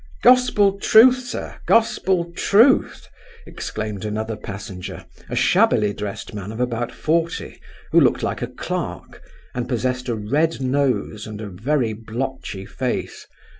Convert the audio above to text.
"Gospel truth, sir, Gospel truth!" exclaimed another passenger, a shabbily dressed man of about forty, who looked like a clerk, and possessed a red nose and a very blotchy face.